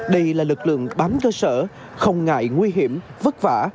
đây là lực lượng bám cơ sở không ngại nguy hiểm vất vả